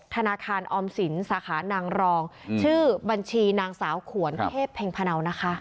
๐๒๐๒๒๓๐๖๙๐๔๖ธนาคารออมศิลป์สาขานางรองชื่อบัญชีนางสาวขวนเทพเพ็งพะเนานะคะ